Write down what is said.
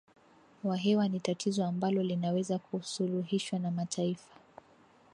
wa hewa ni tatizo ambalo linaweza kusuluhishwa na mataifa